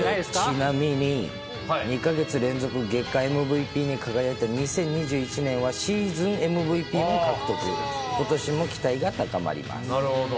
ちなみに、２か月連続月間ＭＶＰに輝いた２０２１年はシーズンＭＶＰも獲なるほど。